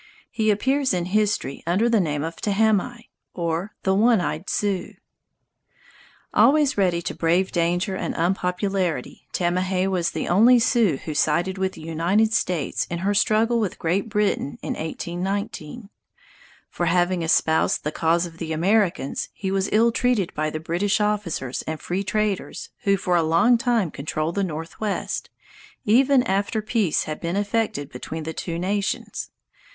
He appears in history under the name of "Tahamie" or the "One Eyed Sioux." Always ready to brave danger and unpopularity, Tamahay was the only Sioux who sided with the United States in her struggle with Great Britain in 1819. For having espoused the cause of the Americans, he was ill treated by the British officers and free traders, who for a long time controlled the northwest, even after peace had been effected between the two nations.